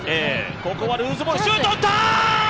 ここはルーズボール、シュート打った！